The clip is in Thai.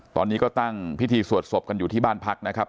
ตอนนี้ก็ตั้งพิธีสวดศพกันอยู่ที่บ้านพักนะครับ